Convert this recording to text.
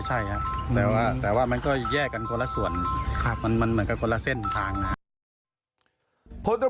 ใช่ครับแต่ว่ามันก็แยกกันคนละส่วนมันเหมือนกันคนละเส้นทางนะครับ